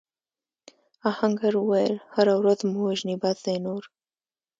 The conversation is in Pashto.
آهنګر وویل هره ورځ مو وژني بس دی نور.